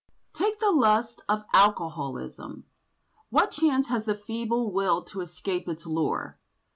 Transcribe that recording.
Take the lust of alcoholism. What chance has the feeble will to escape its lure?